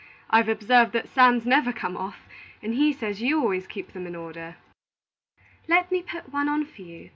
I've observed that Sam's never come off, and he says you always keep them in order." "Let me put one on for you.